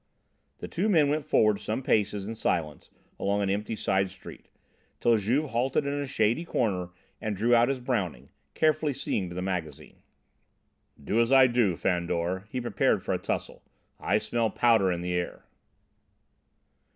The two men went forward some paces in silence along an empty side street, till Juve halted in a shady corner and drew out his Browning, carefully seeing to the magazine. "Do as I do, Fandor"; he prepared for a tussle. "I smell powder in the air."